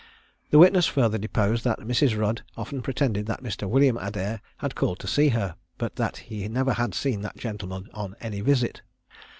The witness further deposed that Mrs. Rudd often pretended that Mr. William Adair had called to see her, but that he never had seen that gentleman on any visit.